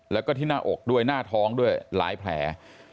แล้วก็ที่หน้าอกด้วยหน้าท้องด้วยหลายแผล